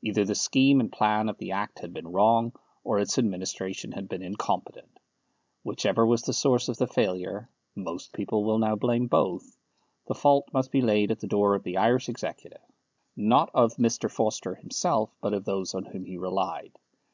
Either the scheme and plan of the Act had been wrong, or its administration had been incompetent. Whichever was the source of the failure (most people will now blame both), the fault must be laid at the door of the Irish Executive; not of Mr. Forster himself, but of those on whom he relied.